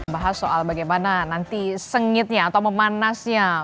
bahas soal bagaimana nanti sengitnya atau memanasnya